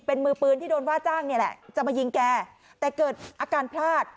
เป็นมือปืนที่โดนว่าจ้างนี่แหละจะมายิงแกแต่เกิดอาการพลาด